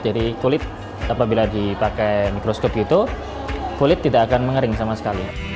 jadi kulit apabila dipakai mikroskop itu kulit tidak akan mengering sama sekali